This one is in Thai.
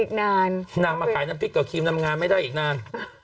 นานนางมาขายน้ำพริกกับครีมนำงานไม่ได้อีกนาน